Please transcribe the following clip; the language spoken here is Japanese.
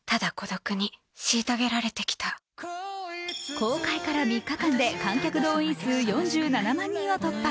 公開から３日間で観客動員数４７万人を突破。